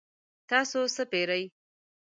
تاسو څه پیرئ؟